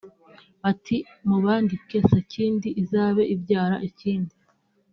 ’ Bati ‘mubandike sakindi izabe ibyara ikindi